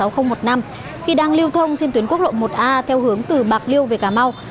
khi đang lưu thông trên tuyến quốc lộ một a theo hướng từ bạc liêu về cà mau